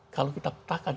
kalau kita petakan